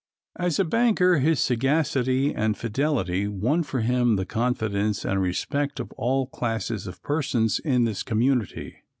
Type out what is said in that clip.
As a banker, his sagacity and fidelity won for him the confidence and respect of all classes of persons in this community.